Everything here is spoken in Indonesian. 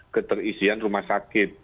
keterisian rumah sakit